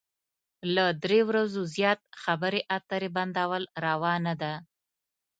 له درې ورځو زيات خبرې اترې بندول روا نه ده.